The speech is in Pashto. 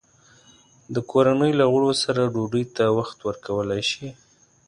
د کورنۍ له غړو سره ډوډۍ ته وخت ورکول شي؟